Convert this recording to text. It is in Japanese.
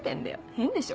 変でしょ？